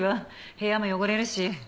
部屋も汚れるし。